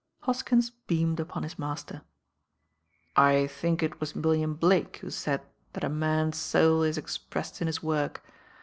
Hoskins beamed upon his master. "I think it was William Blake who said that a man s soul is expressed in his work.